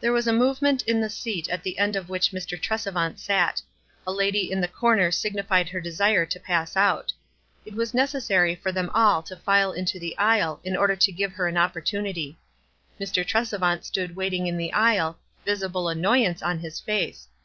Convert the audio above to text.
There was a movement in the seat at the end of which Mr. Tresevant sat. A lady in the corner signified her desire to pass out. It was necessary for them all to file into the aisle in order to give her an opportunity. Mr. Trese vaut stood waiting in the aisle, visible annoy ance on his face.